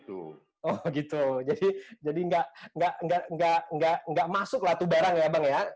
oh gitu jadi nggak masuk lah tuh barang ya bang ya